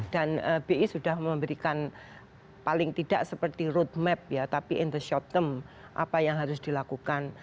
dan bi sudah memberikan paling tidak seperti road map ya tapi in the short term apa yang harus dilakukan